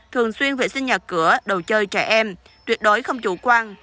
thường xuyên vệ sinh nhà cửa đầu chơi trẻ em tuyệt đối không chủ quan